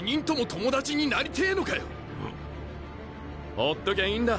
放っときゃいいんだ